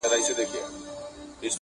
• ماسومان حيران ولاړ وي چوپ تل,